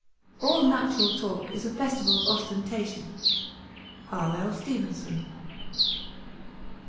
'All natural talk is a festival of ostentation.' R.L. STEVENSON.